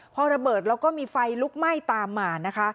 พอระเบิดแล้วก็มีไฟลุกไหม้ตามมานะคะ